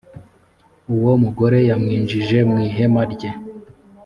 uwo mugore yamwinjije mu ihema rye